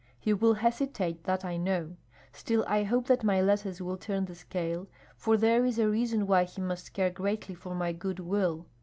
He will hesitate, that I know; still I hope that my letters will turn the scale, for there is a reason why he must care greatly for my good will.